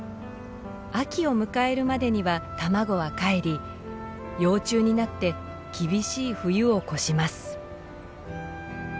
秋を迎えるまでには卵はかえり幼虫になって厳しい冬を越します。